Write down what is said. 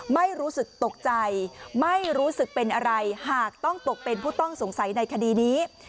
ไม่รู้สึกตกใจไม่รู้สึกเป็นอะไรหากต้องตกเป็นผู้ต้องสงสัยในคดีนี้